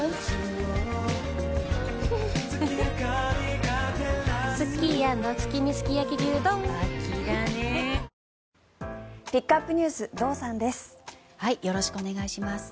よろしくお願いします。